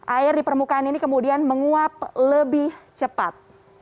air di permukaan ini kemudian menguap lebih cepat